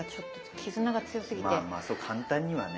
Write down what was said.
まあまあそう簡単にはね。